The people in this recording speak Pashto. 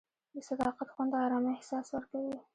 د صداقت خوند د ارامۍ احساس ورکوي.